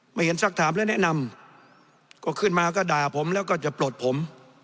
ไม่เห็นสักถามและแนะนำก็ขึ้นมาก็ด่าผมแล้วก็จะปลดผม